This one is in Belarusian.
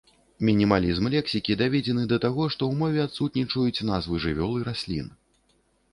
Мінімалізм лексікі даведзены да таго, што ў мове адсутнічаюць назвы жывёл і раслін.